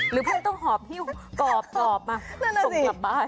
เพื่อนต้องหอบฮิ้วกรอบมาส่งกลับบ้าน